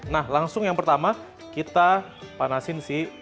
nah langsung yang pertama kita panasin sih